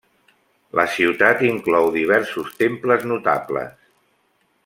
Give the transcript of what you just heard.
La ciutat inclou diversos temples notables.